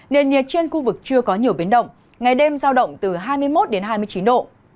nền nhiệt trên khu vực chưa có nhiều biến động ngày đêm giao động từ hai mươi một đến hai mươi chín độ